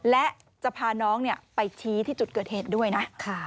และจะพาน้องไปชี้ที่จุดเกิดเหตุด้วยนะ